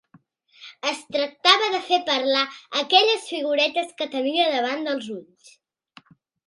Es tractava de fer parlar aquelles figuretes que tenia davant els ulls.